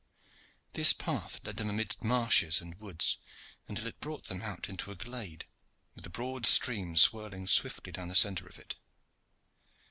This path led them amid marshes and woods, until it brought them out into a glade with a broad stream swirling swiftly down the centre of it.